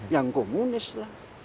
yang komunis lah